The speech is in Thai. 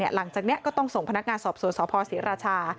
หลังจากนี้ก็ต้องส่งพนักงานสอบสวนสพศรีราชา